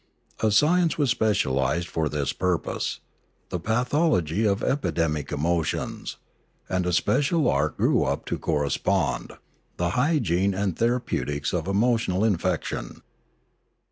A science was specialised for this purpose, — the pathology of epidemic emotions; and a special art grew up to correspond, — the hygiene and therapeutics of emotional infection.